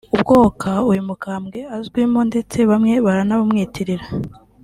ubwoka uyu mukambwe azwimo ndetse bamwe baranabumwitirira